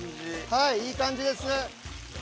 はいいい感じです。